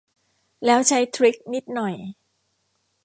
แล้ว ใช้ทริค นิดหน่อย